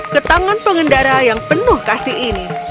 ketangan pengendara yang penuh kasih ini